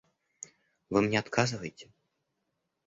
Вы мне отказываете?